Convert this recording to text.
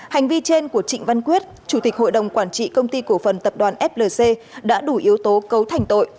hành vi trên của trịnh văn quyết chủ tịch hội đồng quản trị công ty cổ phần tập đoàn flc đã đủ yếu tố cấu thành tội